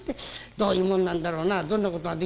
どういうもんなんだろうなどんなことができたんだか。